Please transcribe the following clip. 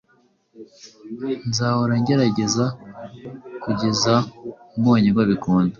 nzahora ngeregeza kugeza mbonye ko bikunda